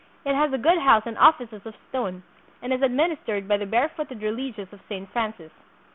It has a good house and offices of stone, and is administered by the barefooted religious of Saint Francis.